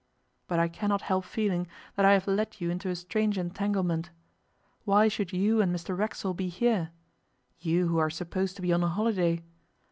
But I cannot help feeling that I have led you into a strange entanglement. Why should you and Mr Racksole be here you who are supposed to be on a holiday!